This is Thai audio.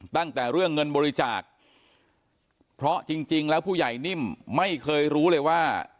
ตั้งแต่เรื่องเงินบริจาคเพราะจริงแล้วผู้ใหญ่นิ่มไม่เคยรู้เลยว่า